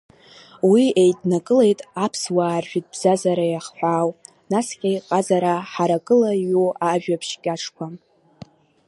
Уи еиднакылеит аԥсуаа ржәытә бзазара иахҳәаау, насгьы ҟазара ҳаракыла иҩу ажәабжь кьаҿқәа.